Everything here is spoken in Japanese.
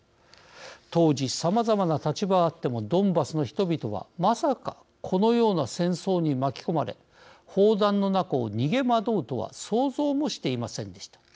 当時、さまざまな立場はあってもドンバスの人々は、まさかこのような戦争に巻き込まれ砲弾の中を逃げ惑うとは想像もしていませんでした。